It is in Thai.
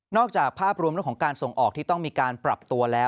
จากภาพรวมเรื่องของการส่งออกที่ต้องมีการปรับตัวแล้ว